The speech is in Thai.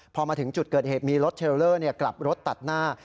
พอมาถึงจุดเกิดเหตุมีรถเทลเลอร์กลับรถตัดหน้า